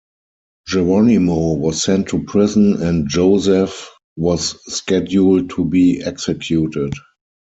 Jeronimo was sent to prison and Josephe was scheduled to be executed.